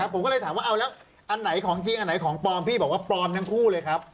ผมก็เลยถามว่าเอาแล้วอันไหนของจริงอันไหนของปลอมพี่บอกว่าปลอมทั้งคู่เลยครับ